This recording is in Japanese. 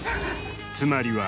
つまりは